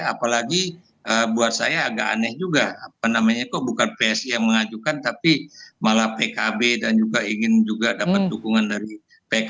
apalagi buat saya agak aneh juga apa namanya kok bukan psi yang mengajukan tapi malah pkb dan juga ingin juga dapat dukungan dari pks